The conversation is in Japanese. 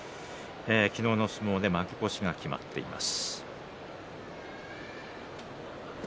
昨日の相撲で負け越しが決まっています。